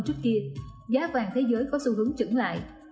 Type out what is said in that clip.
trước kia giá vàng thế giới có xu hướng trứng lại